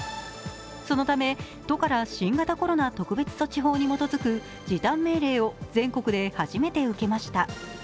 そのため、都から新型コロナ特別措置法に基づく時短命令を全国で初めて受けました。